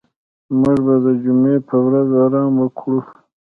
موږ به د جمعې په ورځ آرام وکړو.